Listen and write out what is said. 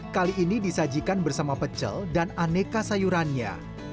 kali ini disajikan bersama pecel dan aneka sayurannya